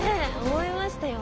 思いましたよ